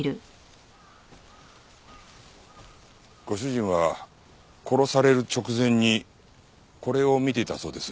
ご主人は殺される直前にこれを見ていたそうです。